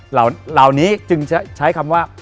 เหล่านี้จึงใช้คำว่า